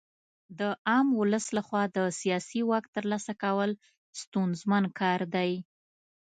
د عام ولس لخوا د سیاسي واک ترلاسه کول ستونزمن کار دی.